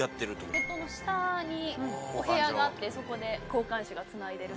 鉄塔の下にお部屋があってそこで交換手がつないでるそうです。